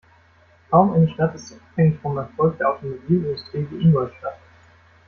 Kaum eine Stadt ist so abhängig vom Erfolg der Automobilindustrie wie Ingolstadt.